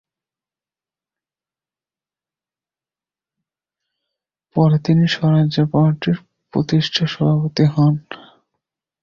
পরে তিনি স্বরাজ্য পার্টির প্রতিষ্ঠাতা সভাপতি হন।